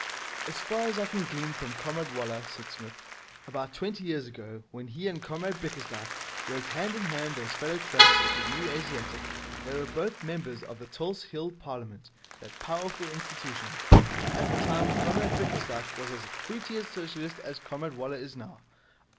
'As far as I can glean from Comrade Waller,' said Psmith, 'about twenty years ago, when he and Comrade Bickersdyke worked hand in hand as fellow clerks at the New Asiatic, they were both members of the Tulse Hill Parliament, that powerful institution. At that time Comrade Bickersdyke was as fruity a Socialist as Comrade Waller is now.